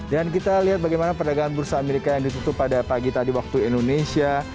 dan kita lihat bagaimana perdagangan bursa amerika yang ditutup pada pagi tadi waktu indonesia